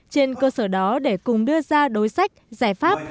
trên cơ sở đó để cùng đưa ra đối sách giải pháp